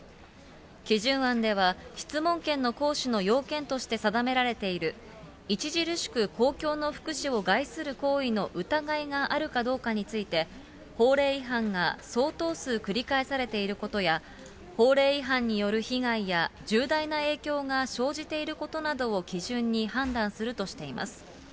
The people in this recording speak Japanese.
基準案では、質問権の行使の要件として定められている、著しく公共の福祉を害する行為の疑いがあるかどうかについて、法令違反が相当数繰り返されていることや、法令違反による被害や、重大な影響が生じていることなどを基準に判断するとしています。